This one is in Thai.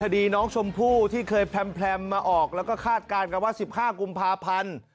คดีน้องชมพู่ที่เคยแพร่มมาออกแล้วก็คาดการณ์กันว่า๑๕กุมภาพันธ์